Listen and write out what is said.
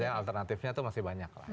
artinya alternatifnya itu masih banyak lah ya